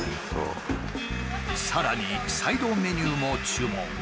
さらにサイドメニューも注文。